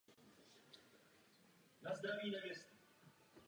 Dodávku elektrické energie zajišťuje pět dieselových generátorů.